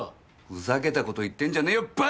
ふざけたこと言ってんじゃねえよ馬鹿！